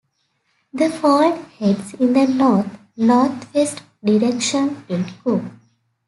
The fault heads in the north north west direction in Cook.